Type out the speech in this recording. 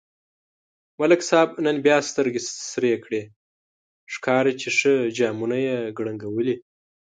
ملک صاحب نن بیا سترگې سرې کړي، ښکاري چې ښه جامونه یې کړنگولي.